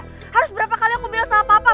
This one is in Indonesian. harus berapa kali aku bilang sama papa